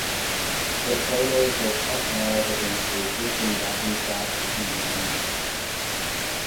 The solos were cut live against the existing backing track in one take.